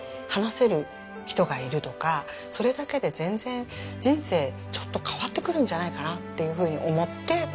それだけで全然人生ちょっと変わってくるんじゃないかなっていうふうに思って。